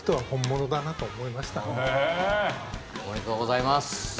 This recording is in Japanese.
おめでとうございます。